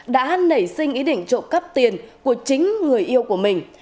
đã nảy sinh ý định trộm cắp tiền của chính người yêu của mình